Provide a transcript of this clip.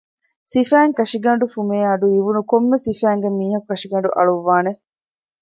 ސިފައިން ކަށިގަނޑު ފުމޭ އަޑު އިވުނު ކޮންމެ ސިފައިންގެ މީހަކު ކަށިގަނޑު އަޅުއްވާނެ